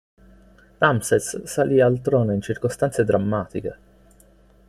Ramses salì al trono in circostanze drammatiche.